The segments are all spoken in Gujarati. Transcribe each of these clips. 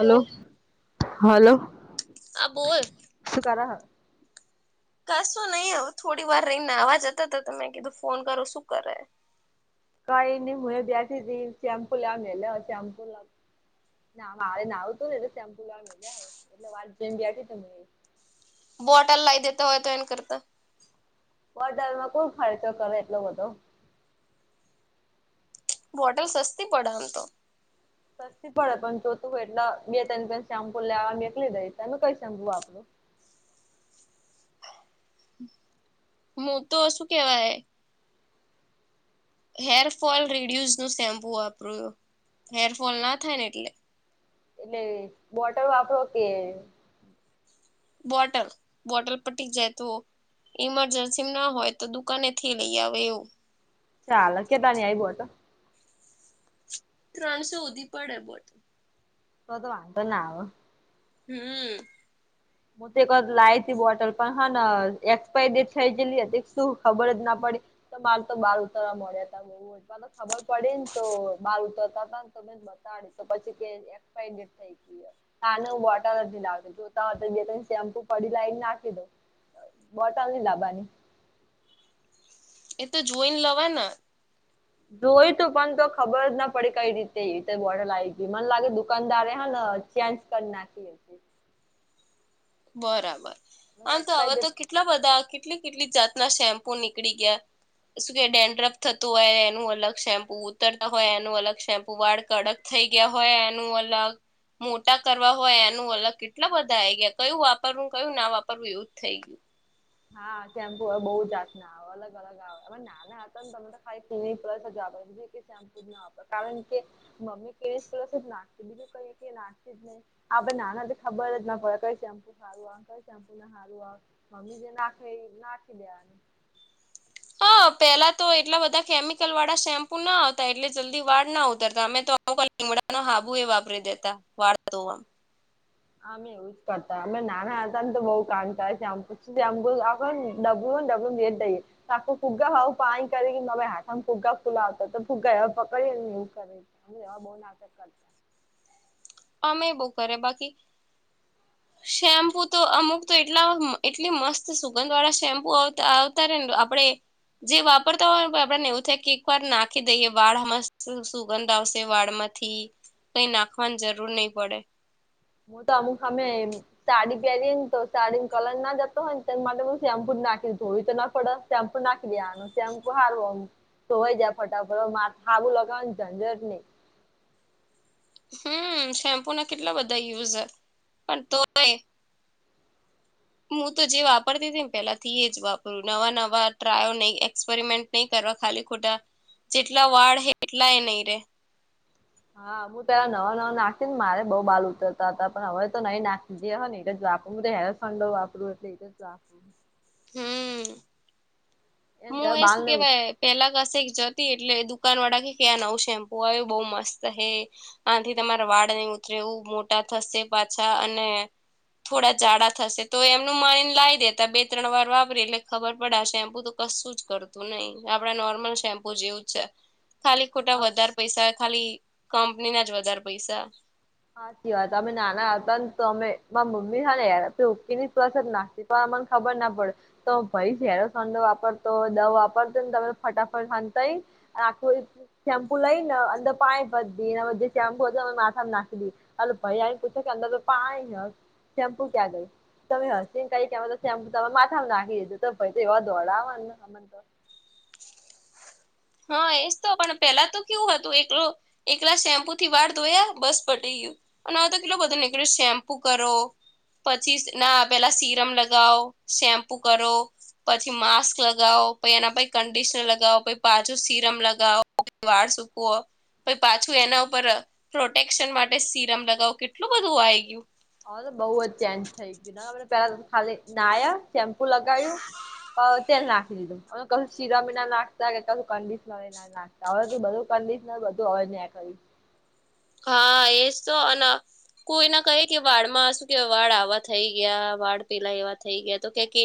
હલો, હલો, હા બોલ શું કારા હ? કશું નહી, હવે થોડી વાર રહીને નાવા જતા તા, તો મે કીધું ફોન કરુ શું કરે? કાઈ ની મુધે બેઠી તી, શેમ્પુ લેવના લેવ શેમ્પુ લાગ ના મારે નાવુતુને એટલે શેમ્પૂ લાવો એટલે વાર જેમ બેઠી તી ઘરેઈ બોટલ લાયી દેતા હોય તો એન કરતા. બોટલ માં કુણ ખર્ચો કરે એટલો બધો. બોટલ સસ્તી પડે એમ તો સસ્તી પડે પણ જોતું એટલા બે તને બે શેમ્પુ લેવા કલી દઈ તમે કઈ શેમ્પુ વાપરો? હું તો શું કેવાય હેરફોલ રીડ્યુઝ નું શેમ્પુ વાપરૂ છું હેરફોલ ના થાય ને એટલે એટલે બોટલ વાપરો કે બોટલ બોટલ પર પતી જાય તો ઇમરજન્સી ના હોય તો દુકાને થી લઈ આવે એવું ચાલ કેતાની આઈ બોલતો ત્રણસો હુંધી પડે બોટલ. તો તો વાંધો ના આવ. હમ્મ હું તો એક વાર લાઇથી બોટલ, પણ હન એક્સપાયરી ડેટ થઈ ગયેલી હતી, શું ખબર જ ન પડી. તો માર તો બાલ ઉતરવા મોળ્યા તા બહુ, અચાનક ખબર પડી ને તો બાલ ઉતરતા હતા ને તો મેં પછાડી તો પછી તેની એક્સપારી ડેટ થઈ ગઈરી, આને હું બોટલજ નથી લાતો જોતા. બે ત શેમ્પુ પડી લાવને નાખી દો બોટલ નહીં દાબવાની એ તો જોઈને લવાય ને જોયુ તું પણ તો ખબર જ ના પડી કઈ રીતે એવી બોટલ આયી ગય મને લાગે દુકાનદારે હ ને જેન્સ કર નાખી તી બરાબર આ તો હવે એક્સપાયરી તો ડેટ કેટલા બધા કેટલી કેટલી જાતના શેમ્પુ નીકળી ગયા શું કે ડેન્ડરફ થતું હોય એનું અલગ શેમ્પુ ઉતરતા હોય એનું અલગ શેમ્પુ વાળ કડક થઈ ગયા હોય એનું અલગ મોટા કરવા હોય એનું અલગ કેટલા બધા આયી ગયા કયું વાપરવું કયું ના વાપરવું એવું જ થઈ ગયું હા શેમ્પૂ બહુ જાતના અલગ અલગ આવે નાના હતા ને તો અમે તો ખાલી ક્લિનીક પ્લસ જ વાપરતા હા કારણ કે મમ્મી ક્લિનિક પ્લસ જ નાખી દે બીજું એકેય નાખી આપડે નાના તો ખબર જ ના પડે કઈ શેમ્પુ સારુ આવે કઈ શેમ્પુ ના હારુ મમ્મી જેમ નાખે એ નાખી લેવાનું હા પેલા તો એટલા બધા કેમિકલ વાળા શેમ્પુ ના આવતા એટલે જલ્દી વાળ ના ઉતરતા અમે તો આવ લીમડા નો હાબુ એ વાપરી દેતા વાળતો ધોવા હા મે એવું જ કરતા અમે નાના હતા ને તો બહુ કામ કરતા ડબલુ રેડ દઈએ આખું ફુગ્ગા હાવ પાણી કરી અમે હાથમાં ફુગ્ગા ફુલાવતા તો ફુગા હવે પકડીને એવું કર એવા બહુ નાટક કર અમે બહુ કરયા બાકી શેમ્પુ તો અમુક તો એટલા એટલી મસ્ત સુગંધ વાળા શેમ્પુ આવ આવતા રે આપણે જે વાપરતા હોય આપણને એવું થાય કે એક વાર નાખી દઈએ વાળ મસ્ત સુગંધ આવશે વાળમાં થી કઈ નાખવાની જરૂર નહી પડે હું તો અમુક હમે સાડી પહેરીએ ને તો સાડી નું કલર ના જતો હોય ને તે એના માટે હું શેમ્પૂ જ નાખી ધોવી તો ના પડે શેમ્પુ નાખી દેવાનું શેમ્પુ હારવાનું તો વઈ જા ફટાફટ મા હાબું લગાવવાની ઝંઝટ નહી હમ શેમ્પુ ના કેટલા બધા યુઝ પણ તોય હું તો જે વાપરતી હતી ને પેલાથી જ વાપરું નવા નવા ટ્રાયો નહી એક્સપેરિમેન્ટ નહી કરવા ખાલી ખોટા જેટલા વાળ હે એટલા એ નહી રે હા હું પેલા નવા નવા નાખી ને મારે બહુ બાલ ઉતરતા હતા પણ હવે તો નઈ નાખી જે હ ને એ જ વાપરુ હેર એન્ડ સંંડો વાપરુ એટલે એ તો જવ હમ એમ હું તો એ બાલ સું ને કેવાય પેલા કસે જતી એટલે દુકાન વાળા કે ક્યાં નવું શેમ્પુ આવ્યું બઉ મસ્ત હે આથી તમારા વાળ નહી ઉતરે એવું મોટા થશે પાછા અને થોડા જાઝડા થશે તો એમનું માઇન લાવી દેતા બે ત્રણ વાર વાપરી એટલે ખબર પડે આ શેમ્પુ તો કશું જ કરતું નહી આપડા નોર્મલ શેમ્પુ જેવું છે ખાલી ખોટા આમ વધારે પૈસા ખાલી કંપની ના જ વધારે પૈસા હાચી વાત અમે નાના હતા ને તો અમે મારા મમ્મી ને ઉ તો આમને ખબર ના પડે તો ભાઈ ઝેરો છંડો વાપરતો હોય દવ વાપરતો ને તમે ફટાફટ ખાંધતાય આખું શેમ્પુ લઈને અંદર પાણી ભરી દઇઍ એના જે શેમ્પુ હતું મે માથામાં નાખી હ ભાઈ આ પૂછે કે અંદર તો પાણી હ શેમ્પુ ક્યા ગયુ તમે હસીને કઈક તો સેમ્પુ તમામે માથામાં નાખી દીધો તો ભાઈ તો એવા દોડાવ ને મને તો હા એજ તો પણ પેલા તો કેવું હતું એકલું એકલા શેમ્પુ થી વાળ ધોયા બસ પટી ગયું અને હ તો કેટલો બધો નીકળે શેમ્પુ કરો પછી ના પેલા સીરમ લગાવો શેમ્પુ કરો પછી માસ્ક લગાવો પછ એના પ કંડિશનર લગાવો પ પાછું સીરમ લગાઓ દિ વાળ સુકવો પી પાછું એના ઉપર પ્રોટેક્શન માટે સીરમ લગાવો કેટલું બધું આ ગયું હ બઉુ જ ચેન્જ થઈ ગયું પેલા ખાલી ના્યા શેમ્પુ લગાવ્યું તેલ નાખી દીધું અ કશું શીરા બી ના નાખતા કું કંિશનર ના નાર બધું કન્ડિશનર બધું હવે ન્યાં કરી હા એજ તો અને કોઈના કહે કે વાળમાં શું કેવા વાળ આવા થઈ ગયા વાળ પેલા એવા થઈ ગયા તો કે કે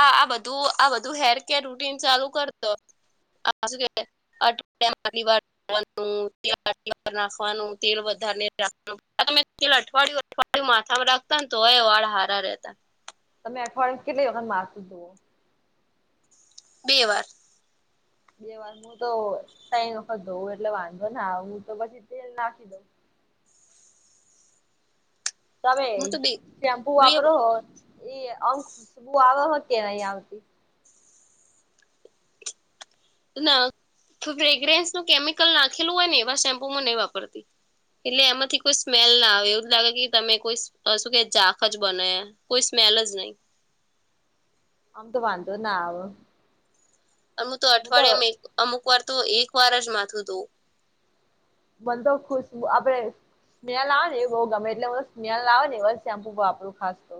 આ આ બધું આ બધું હેર કેર રૂટીન ચાલુ કરતો વા નાખવાનું તેલ વધારેખવા તેલ અઠવાડયું અવાડિયું માથામાં રાખ તોય વાળ હારા રહેતા તમે અઠવાડિયામા કેટલી વખત માથું ધોઓ? બે વાર બે વાર હું તો તઈ વખત ધોવ એટલે વાંધો ના હું તો પછી તેલ નાખી દઉં. તમે હું તો બે શેમ્પુ બે વાપરો હો એ અંકુશબુ આવે હો કે નહી આવતી ના ફ્રેગ્રેન્સ ન કેમિકલ નાખેલું હોય ને એવા શેમ્પુમાં નહીં વાપરતી એટલે એમાંથી કોઈ સ્મેલ ના આવે એવું જ લાગે કે તમે કોઈ શું કે જાાક જ બના્યા કોઈ સ્મલ જ નહી આમ તો વાંધો જ ના આવ ું તો અઠવાડિયામાં અમુક વાર તો એક વાર જ માથું દઉં મન તો ખુશું આપડે સ્મેલ આવે ને એ બહ ગમે એટલે સ્લ આવે ને એ શેમ્પુ વાપરું ખાસ તો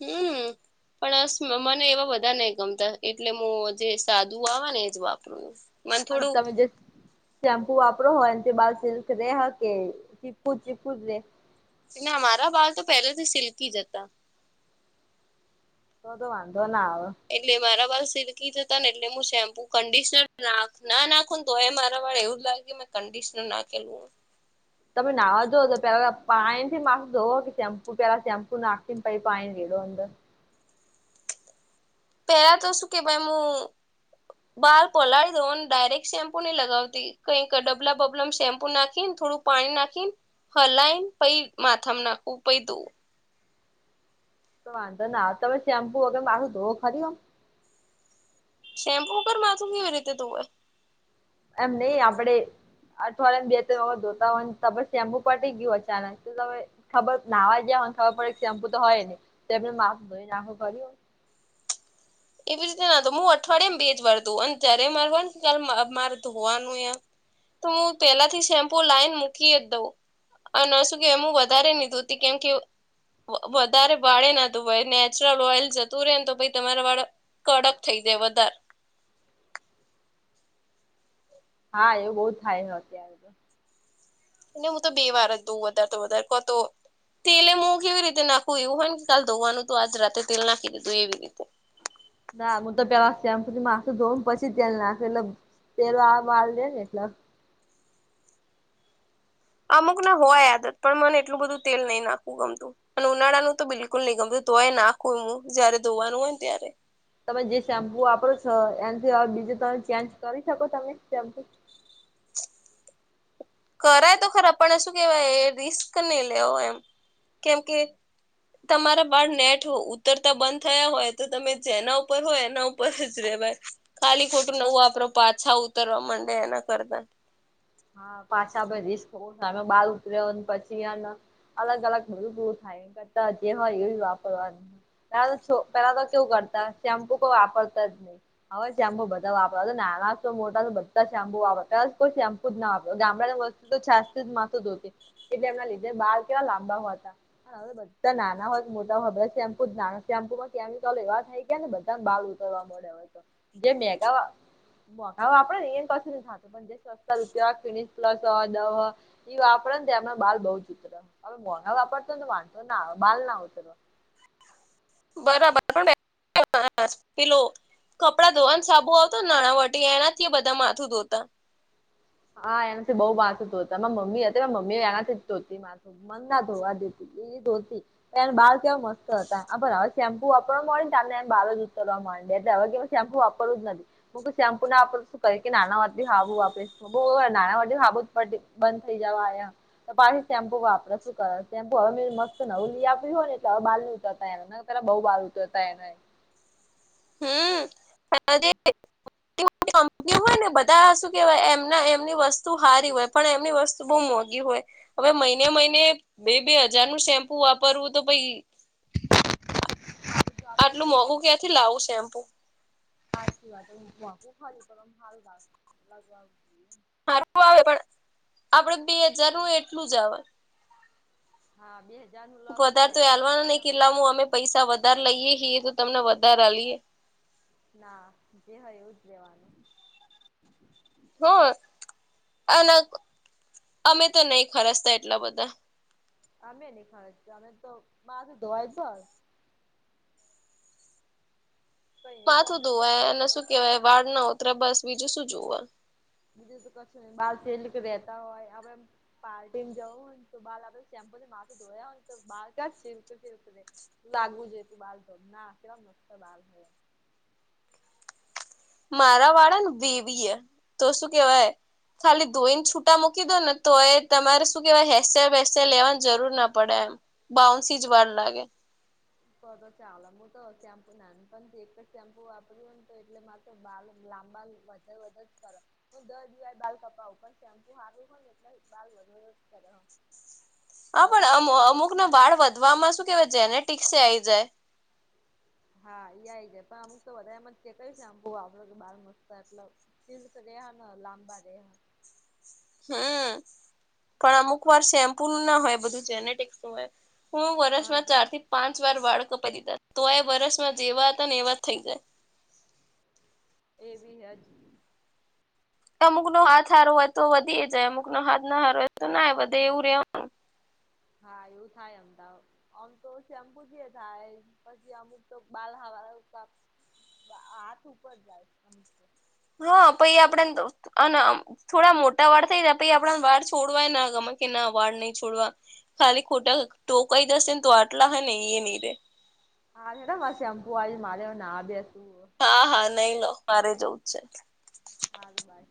હમ પણસ મને એવા બધા નહ ગમતા એટલે હું જે સાદુ આવે ને એજ વાપરું મને અ થોડું તોજે શેમ્પુ વાપરો હોય તે બાલ સિલ્ક રે હ કે ચીપ્કુ ચીપ્કુ જ રે ના મારા બાલ તો પહેલેથી સિલ્કી જ હતા. તો વાંધો ના આવ. એટલે મારા વાળ સિલ્કી જ હતાને એટલે હું શેમ્પુ કંડિશનરના નાખું ને તો એ મારા વાળ એવું લાગે કંડીશનર નાખેલું હોય. તમે નાહવા ધોઓ તો પેલા પાણીથી માથું ધો કે શેમ્પુ પેલા શેમ્પુ નાખીને પહી પાણી રેડો અંદર પેલા તો શું કે ભાઈ હું બાર પલાળી દોને ડાયરેક્ટ શેમ્પુ નઈ લગાવતી કંઈક ડબલા બબલામ શેમ્પુ નાખી ને થોડું પાણી નાખીન હલાઈન પહી માથામાં નાખવું પ દોવું. તો વાંધોના તમે શેમ્પુ વગર માથું ધોવો ખરી? શેમ્પુ ઉપર માથું કેવી રીતે ધોવે એમ નય આપડે અઠવાડિયામ બે ત્રણ વખત ધોતા હોય તો શેમ્પુ પતી ગયું અચાનક તો તમે ખબર નાહવા જયા હોને ખબર પડે એક શેમ્પુતો હોય ને તો એ માથું ધોઈ નાખો કર્યું. એવી જ રીતે નાતો હું અઠવાડિયામ બે જ વાર ધોવ અને જ્યારે માર હોવાનું મારે તો ધોવાનું હ. તો હું પેલાથી શેમ્પુ લાઈન મૂકી દઉં. અન શું કે એમું વધારે નહીં ધોતી કેમ કે વધારે વાળએ ના ધોવાઈ નેચરલ ઓઇલ જતું રહે ને તો પહીઁ તમારા વાળ કડક થઈ જાય વધાર હા એવું બહુ થાય છે અત્યારે તો અને હું તો બે વાર જ ધોઉ વધારે તો વધારે કો તો તેલે હું કેવી રીતે નાખું એવું હોય કે કાલ ધોવાનું તો આજ રાતે તેલ નાખી દીધું એવી રીતે ના હું તો પેલા શેમ્પૂથી માથું ધોવ પછી તેલ નાખું એટલે તેલવાળા આલિએ એટલ અમુકને હોય આદત પણ મને એટલું બધું તેલ નહીં નાખવું ગમતું. અને ઉનાળાનું તો બિલકુલ નહીં ગમતું તોય નાખું હું જયારે ધોવાનું હોય ને ત્યારે તમે જે શેમ્પુ વાપરો છો એનાથી હવે બીજું તમે ચેન્જ કરી શકો તમે શેમ્પુ કરાય તો ખરા આ પણ શું કેવાય રિસ્ક નહી લેવો એમ કેમ કે તમારા બાળ નેટ ઉતરતા બંધ થયા હોય તો તમે જેના ઉપર હોય એના ઉપર જ રેવાય. ખાલી ખોટું નવું વાપરો પાછા ઉતરવા માંડે એના કરતા. હા પાછા રિસ્ક સામે બાલ ઉતર્યોને પછીને અલગ અલગ બધું બું થાય. એના કરતાં જે હોય એ વાપરવાનું પેલા તો છોકરા તો કેવું કરતા શેમ્પુ કો વાપરતા જ નહી. હવેશેમ્પુ બધા વાપરા નાના તો મોટા બધા શે્પુ વાપર કોઈ શેમ્પુ ગામડાને વસ્તી તો છાસ થી જ માથું ધોતી. એટલે એમના લીધે બાર કેવા લાંબા હોવા હતા હવે બધા અતયારે નાના હોય મોટા હોય બધા શેમ્પુ જ નાવે શેમ્પુ મા કેમિકલો એવા થઇ ગયા ને બધાને બાલ ઉતરવા મળે હવે. જે મેગા મોંઘા વાપરે ને એને કસુ નથી થાતું. પણ જે કન ફિન પ્લસ, ડવ ઈ વાપરે ને તેમાં બાલ બઉ જ ઉતરે. હવે મન વાપરતો તો વાંધો ના બાલના ઊતર. બરાબર [unintelligible] પેલો કપડાં ધોવાનું સાબુ આવતોન નાણાવટી એનાથી બધા માથું ધોતા. હા એનાથી બહુ માથું ધોતા માર મમ્મી હતી મમ્મી એનાથી જ ધોતી માથું. માથા ધોવા દેતી એ ધોતી. એન બાલ કેવા મસ્ત હતા પણ હવે શેમ્પુ આપણવા મળેની આપને એને બાર જ ઉતરવા માંડે એટલે હવે કે શેમ્પુ વાપરું જ નથી હું શેમ્પુના વાપરું શું કરે કે નાનાવાતી હાબુ વાપરીશ. હોવ નાનાવટી સાબુ પડ બંધ થઈ જવા આયા. તો પાછી શેમ્પુ વાપરે શું કરે શેમ્પુ હવે મેં મસ્ત નવું લઈ આપ્યું હોય ને એટલે હવે બાલ નહીં ઉતારતા પેલા બોવ બાલ ઊતરતા એના. [unintelligible] એવું હોય ને બધા શું કેવાય એમના એમની વસ્તુ હારી હોય પણ એમની વસ્તુ બહુ મોંઘી હોય. હવે મહિને મહિને બે બે હજારનું શેમ્પુ વાપરવું તો ભાઈ આટલું મોંઘું ક્યાંથી લાવું શેમ્પુ. [unintelligible] સારું આવે પણ આપડે બે હજાર નું એટલું જ આવે. હા બે હજાર નું લોસ ચાર વધારે તો હજાર નું લોસ હાલવાના નહી કેમ કેટલામાં અમે પૈસા વધારે લઈએ હી એ તો તમને વધારે લઈએ. ના જે હોય એવું જ લેવાનું. હ અને અમે તો નહી ખરસતા એટલા બધા. અમે બી ખર્ચે અમે તો માથું ધોવાય બસ. કઈ માથું પ્રોબ્લેમ ધોવાય લાગે એને શું કેવાય વાળ ના ઉતરે બસ બીજું શું જોવુ બીજુ તો ક્સુ ની બાલ સિલ્ક રહેતા હોય હવેમ. પાર્ટીને જઉન તો બાલ આપે શેમ્પો થી માથું ધોયા તો બાલ કેવા સિલ્કી સિલ્કી થઇ જાય. લાગવું જો તું બા ના કે મ બા. મારા વાળા ને વવીય તો શું કેવાય ખાલી ધોઈને છૂટા મૂકી દો ને તો એ તમારે શું કેહેવાય હેર સ્ટાઇલ વેર સ્ટાઇલ લેવાની જરૂર ના પડે એમ. બાઉન્સી જ વાર લાગે તો તો ચાલ હ. હું તો શેમ્પુ નાનપણથી એક જ શેમ્પુ વાપર્યું ને તો એટલે મારે બા લાંબા વધે વધ જ કર હું દર દિવાળી બાલ કપાવું પણ શેમ્પુ હારું હોય ને તો જ બાલ વધે. હા બધા કે પણમુ શેમ્પુ અમુકનો વાળ વધવામાં શું કેવાય છેને ટીસે આઈ જાય. હા ય છે પણ અમુક તો વધારે એમાંક છે આમકુ વાપરો કે બાર મસ્ત એટલો. સિલ્ક રેય ને લાંબા રેય. હમ પણ અમુક વાર શેમ્પુ નું ના હોય બધું જેનેટિક નું હોય. હું હા વરસમાં જ ચાર થી પાંચ વાર વાળ કપાઈ દીધા તો એ વરસમાં જેવા હતા ને એવા થઈ જાય. એવી હજ. અમુકનો હાથ સારો હોય તો વધી જાય અમુકનો હાથ ના હારો હોય તો ના વધે એવું ર હા એવું થાય અમદાવાદ આમ તો શેમ્પુ જે થાય પછી અમુક તો બાલ હવા. બા હાથ ઉપર જાય આમ હા પહી આપડેન અને થોડા મોટા વાળ થઈ જયા પછી આપડા વાળ છોડવાય ના ગમે કે ના વાળ નહી છોડવા ખાલી ખોટા ટોકાઈ જશે ને તો આટલા હે ન એ નહી રે. હા મા શેમ્પુ વા મારે એ નાવા બેસું. હા હા નહી લો મારે જવું જ છે. હાગબાઈ.